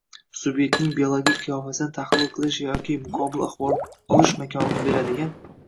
subyektning biologik qiyofasini tahlil qilish yoki muqobil axborot olish imkonini beradigan